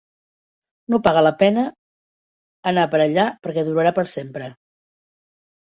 No paga la pena anar per allà perquè durarà per sempre.